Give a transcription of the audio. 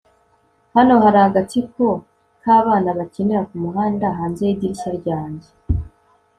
hano hari agatsiko k'abana bakinira kumuhanda hanze yidirishya ryanjye